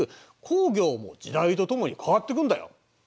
工業も時代と共に変わってくんだよ。